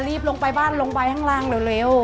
รีบลงไปบ้านลงไปข้างล่างเร็ว